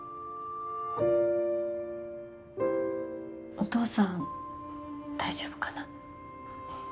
お父さん大丈夫かな。